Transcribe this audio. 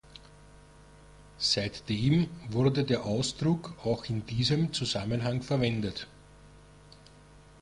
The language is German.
Seitdem wurde der Ausdruck auch in diesem Zusammenhang verwendet.